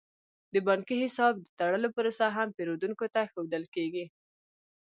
د بانکي حساب د تړلو پروسه هم پیرودونکو ته ښودل کیږي.